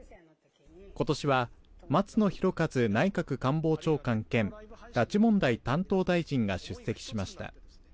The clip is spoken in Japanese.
ことしは松野博一内閣官房長官兼拉致問題担当大臣が出席しました。